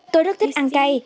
tôi rất thích ăn cay